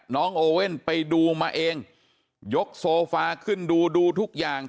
น้องโอเว่นไปดูมาเองยกโซฟาขึ้นดูดูทุกอย่าง